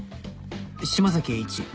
「島崎栄一」